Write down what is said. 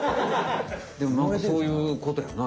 でもそういうことやんな。